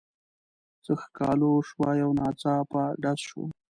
څه ښکالو شوه یو ناڅاپه ډز شو.